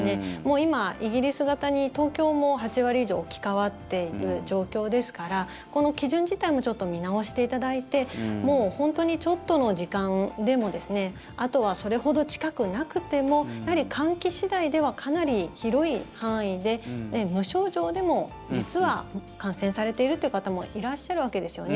今、イギリス型に東京も８割以上置き換わっている状況ですからこの基準自体もちょっと見直していただいて本当にちょっとの時間でもあとはそれほど近くなくても換気次第ではかなり広い範囲で無症状でも実は感染されているという方もいらっしゃるわけですよね。